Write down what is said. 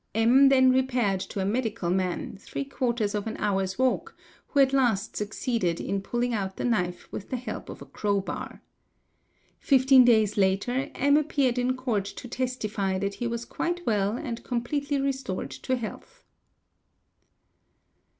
M then repaired to a medica] man, three quarters of an hour's walk, who at last succeeded in pulling out the knife with the help of a crow bar. Fifteen days later, M appeared in Court to testify that he was quite well and completely restored to — health.